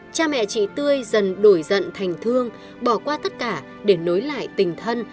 cha mẹ chị tươi dần đổi giận thành thương bỏ qua tất cả để nối lại tình thân